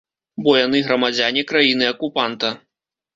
Бо яны грамадзяне краіны-акупанта.